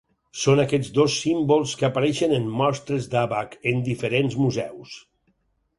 Són aquests dos símbols que apareixen en mostres d'àbac en diferents museus.